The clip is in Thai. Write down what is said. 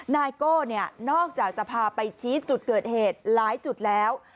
นายโก้นอกจากจะพาไปชี้จุดเกิดเหตุหลายจุดแล้ว